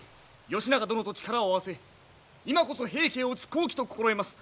義仲殿と力を合わせ今こそ平家を討つ好機と心得ます！